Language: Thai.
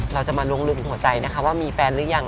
เราจะมาลวงลืมหัวใจนะคะว่ามีแฟนหรือยัง